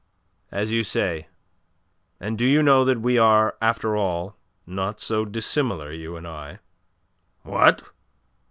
"As you say. And do you know that we are after all not so dissimilar, you and I?" "What?"